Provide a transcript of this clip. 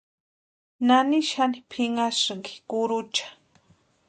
¿Nani xani pʼimanhasïnki kurucha?